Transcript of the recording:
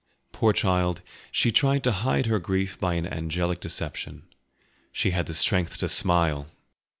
Poor child, she tried to hide her grief by an angelic deception. She had the strength to smile!